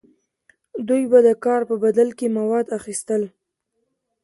دوی به د کار په بدل کې مواد اخیستل.